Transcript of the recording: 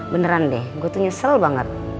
beneran deh gue tuh nyesel banget